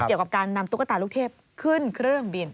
เกี่ยวกับการนำตุ๊กตาลูกเทพขึ้นเครื่องบิน